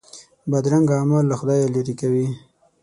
بدرنګه اعمال له خدایه لیرې کوي